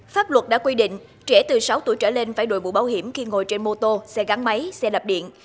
pháp luật đã quy định trẻ từ sáu tuổi trở lên phải đội mũ bảo hiểm khi ngồi trên mô tô xe gắn máy xe đạp điện